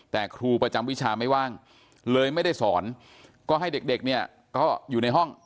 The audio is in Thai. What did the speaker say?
แต่ครูประจำวิชาไม่ว่างเลยไม่ได้สอนก็ให้เด็กเนี่ยก็อยู่ในห้อง